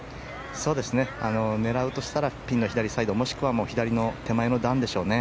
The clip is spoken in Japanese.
狙うとしたらピンの左サイドもしくは左手前の段でしょうね。